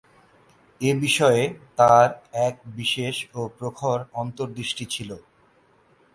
এ বিষয়ে তাঁর এক বিশেষ ও প্রখর অন্তর্দৃষ্টি ছিল।